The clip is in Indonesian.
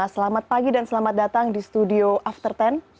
selamat pagi dan selamat datang di studio after sepuluh